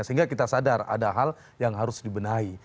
sehingga kita sadar ada hal yang harus dibenahi